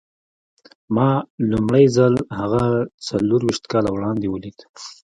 ما لومړی ځل هغه څلور ويشت کاله وړاندې وليد.